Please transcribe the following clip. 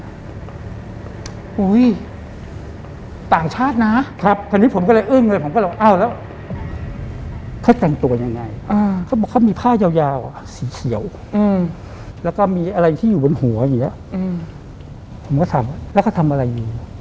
ดูเต้นลำอยู่เนอะราบเตียงเตียงชัย